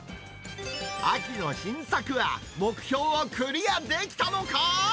秋の新作は、目標をクリアできたのか。